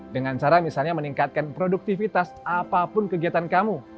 dengan cara misalnya meningkatkan produktivitas apapun kegiatan kamu